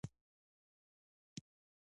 وسله د ځواک توازن بدلوي